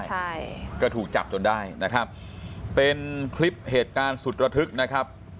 ใช่ก็ถูกจับจนได้นะครับเป็นคลิปเหตุการณ์สุดระทึกนะครับ